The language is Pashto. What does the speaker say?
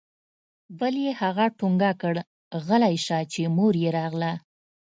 بل يې هغه ټونګه كړ غلى سه چې مور يې راغله.